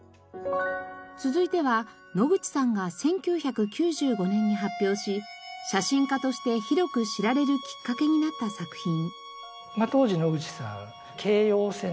続いては野口さんが１９９５年に発表し写真家として広く知られるきっかけになった作品。